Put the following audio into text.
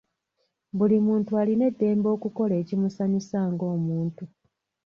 Buli muntu alina eddembe okukola ekimusanyusa ng’omuntu.